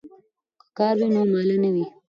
که کار وي نو ماله نه وي.